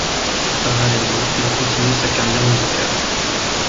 Parallèlement, il continue sa carrière musicale.